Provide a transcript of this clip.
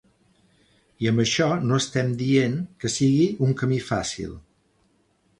I amb això no estem dient que sigui un camí fàcil.